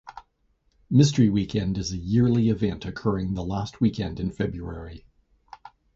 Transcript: Mystery Weekend is a yearly event occurring the last weekend in February.